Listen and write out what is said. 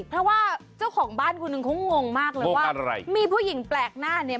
เพราะว่าเจ้าของบ้านคุณคงงงมากเลยว่ามีผู้หญิงแปลกหน้าเนี่ย